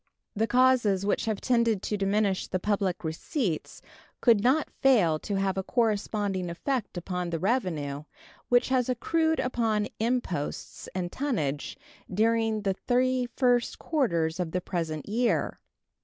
The causes which have tended to diminish the public receipts could not fail to have a corresponding effect upon the revenue which has accrued upon imposts and tonnage during the three first quarters of the present year.